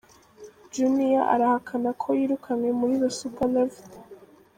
Juniya arahakana ko yirukanywe muri The Supa levo